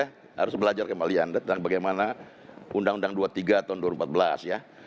harus belajar kembali anda tentang bagaimana undang undang dua puluh tiga tahun dua ribu empat belas ya